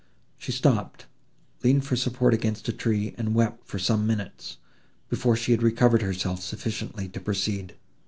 She stopped, leaned for support against a tree, and wept for some minutes, before she had recovered herself sufficiently to proceed.